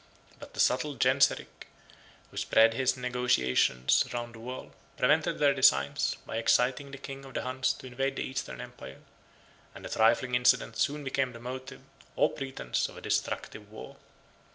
But the subtle Genseric, who spread his negotiations round the world, prevented their designs, by exciting the king of the Huns to invade the Eastern empire; and a trifling incident soon became the motive, or pretence, of a destructive war.